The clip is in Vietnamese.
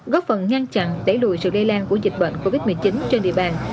góp phần ngăn chặn đẩy lùi sự lây lan của dịch bệnh covid một mươi chín trên địa bàn